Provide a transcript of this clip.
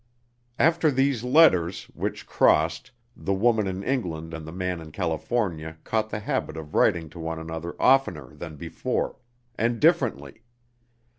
After these letters, which crossed, the woman in England and the man in California caught the habit of writing to one another oftener than before and differently.